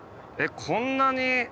こんなに。